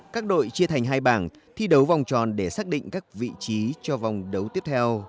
các đội chia thành hai bảng thi đấu vòng tròn để xác định các vị trí cho vòng đấu tiếp theo